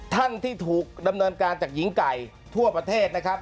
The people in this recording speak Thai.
ท่านที่ถูกดำเนินการจากหญิงไก่ทั่วประเทศนะครับ